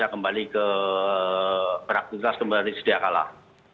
ya kembali ke beraktifitas kembali sedia kalah